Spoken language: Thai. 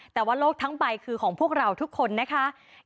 แต่ว่าโลกทั้งใบคือของพวกเราทุกคนนะคะ